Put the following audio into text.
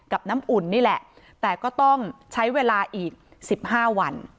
น้ำอุ่นนี่แหละแต่ก็ต้องใช้เวลาอีก๑๕วัน